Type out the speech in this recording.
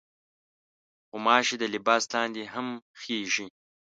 غوماشې د لباس لاندې هم خېژي.